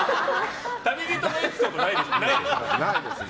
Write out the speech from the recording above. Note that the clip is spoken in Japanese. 旅人のエピソードないですから。